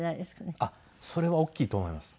あっそれは大きいと思います。